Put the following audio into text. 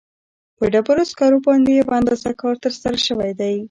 په ډبرو سکرو باندې یو اندازه کار ترسره شوی دی.